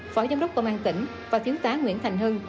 phó giám đốc công an tỉnh và thiếu tá nguyễn thành hưng